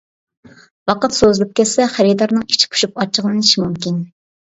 ۋاقىت سوزۇلۇپ كەتسە خېرىدارنىڭ ئىچى پۇشۇپ، ئاچچىقلىنىشى مۇمكىن.